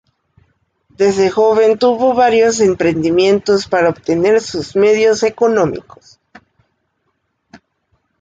Desde joven tuvo varios emprendimientos para obtener sus medios económicos.